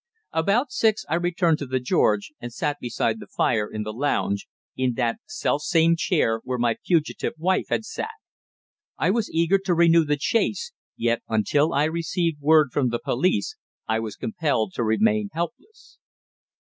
About six I returned to the George and sat beside the fire in the lounge in that selfsame chair where my fugitive wife had sat. I was eager to renew the chase, yet until I received word from the police I was compelled to remain helpless.